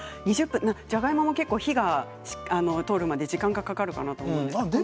じゃがいもも結構火が通るまで時間がかかるかなと思うんですけれど。